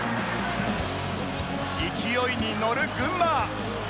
勢いにのる群馬